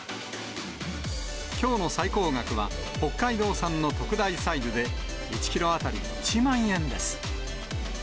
きょうの最高額は、北海道産の特大サイズで１キロ当たり１万円です。